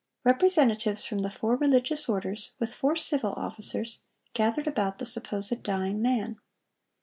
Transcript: Representatives from the four religious orders, with four civil officers, gathered about the supposed dying man.